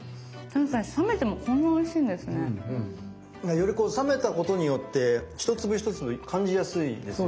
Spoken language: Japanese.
より冷めたことによって一粒一粒感じやすいですね。